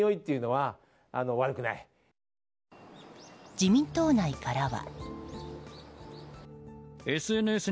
自民党内からは。